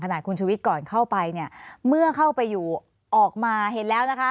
ขณะคุณชุวิตก่อนเข้าไปเนี่ยเมื่อเข้าไปอยู่ออกมาเห็นแล้วนะคะ